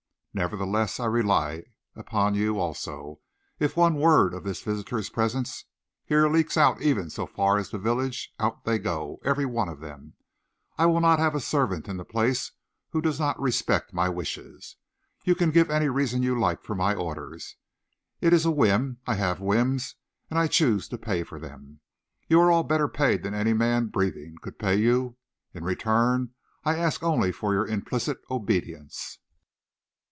Nevertheless, I rely upon you, also. If one word of this visitor's presence here leaks out even so far as the village, out they go, every one of them. I will not have a servant in the place who does not respect my wishes. You can give any reason you like for my orders. It is a whim. I have whims, and I choose to pay for them. You are all better paid than any man breathing could pay you. In return I ask only for your implicit obedience."